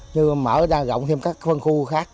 như mở ra rộng thêm các phân khu khác